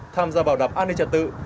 tham gia bảo đảm an ninh trật tự